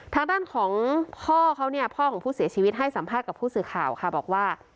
ทางด้านของพ่อเขาเนี่ยพ่อของผู้เสียชีวิตให้สัมภาษณ์กับผู้สื่อข่าวค่ะบอกว่า